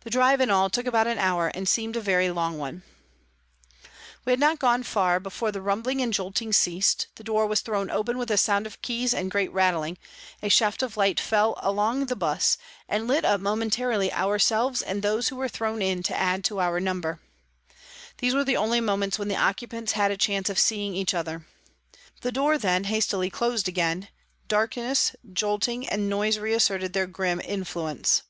The drive in all took about an hour, and seemed a very long one. JANE WARTON 251 We had not gone far before the rumbling and jolting ceased, the door was thrown open with a sound of keys and great rattling, a shaft of light fell along the 'bus, and lit up momentarily ourselves and those who were thrown in to add to our number. These were the only moments when the occupants had a chance of seeing each other. The door then hastily closed again, darkness, jolting and noise reasserted their grim influence.